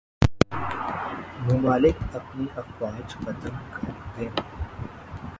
ممالک اپنی افواج ختم کر دیں